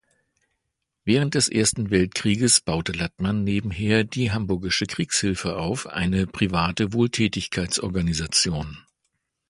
Während des Ersten Weltkrieges baute Lattmann nebenher die Hamburgische Kriegshilfe auf, eine private Wohltätigkeitsorganisation.